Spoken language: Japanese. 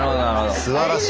すばらしい。